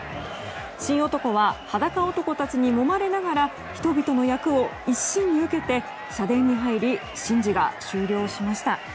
神男は裸男たちにもまれながら人々の厄を一身に受けて社殿に入り神事が終了しました。